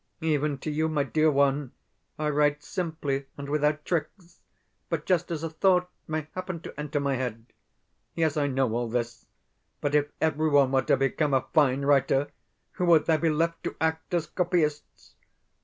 Even to you, my dear one, I write simply and without tricks, but just as a thought may happen to enter my head. Yes, I know all this; but if everyone were to become a fine writer, who would there be left to act as copyists?...